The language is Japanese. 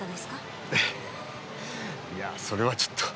いやそれはちょっと。